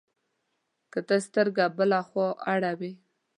که ته سترګه بله خوا اړوې،